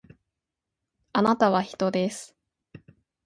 あなたは人です